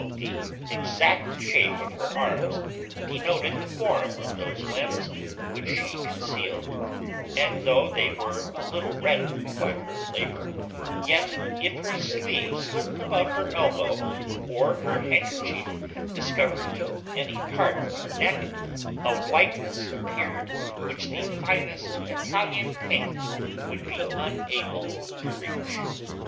The exact shape of her arms denoted the form of those limbs which she concealed; and though they were a little reddened by her labour, yet, if her sleeve slipped above her elbow, or her handkerchief discovered any part of her neck, a whiteness appeared which the finest Italian paint would be unable to reach.